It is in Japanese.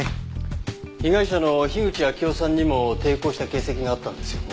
被害者の口秋生さんにも抵抗した形跡があったんですよね。